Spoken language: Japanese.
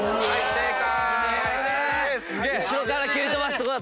正解！